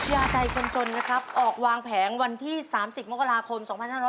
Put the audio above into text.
ยาใจคนจนนะครับออกวางแผงวันที่๓๐มกราคม๒๕๖๐